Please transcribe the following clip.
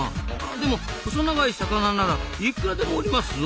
でも細長い魚ならいくらでもおりますぞ。